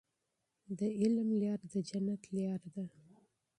د علم لاره د جنت لاره ده.